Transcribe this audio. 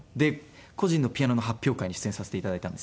個人のピアノの発表会に出演させていただいたんですよ。